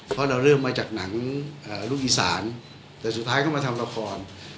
เพราะเราเริ่มมาจากหนังลูกอีสานแต่สุดท้ายก็มาทำละคร